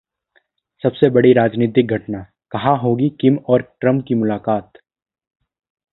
सबसे बड़ी राजनीतिक घटनाः कहां होगी किम और ट्रंप की मुलाकात?